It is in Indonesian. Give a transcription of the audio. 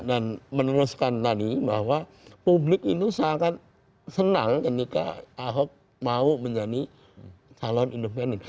dan meneruskan tadi bahwa publik itu sangat senang ketika aup mau menjadi calon independen